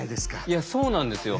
いやそうなんですよ。